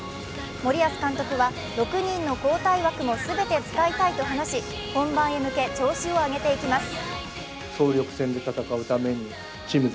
森保監督は６人の交代枠もすべて使いたいと話し本番へ向け調子を上げていきます。